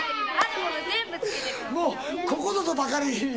「もうここぞとばかりに？」